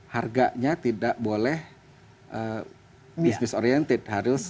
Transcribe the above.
harganya tidak boleh bisnis oriented